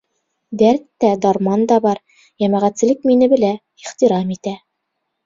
Дәрт тә, дарман да бар, йәмәғәтселек мине белә, ихтирам итә.